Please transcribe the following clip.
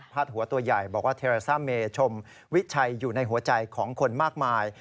หัวตัวใหญ่บอกว่าเทราซ่าเมชมวิชัยอยู่ในหัวใจของคนมากมาย